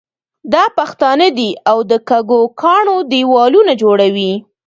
دا پښتانه دي او د کږو کاڼو دېوالونه جوړوي.